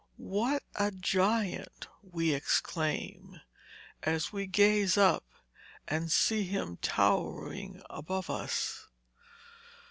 'What a giant!' we exclaim, as we gaze up and see him towering above us.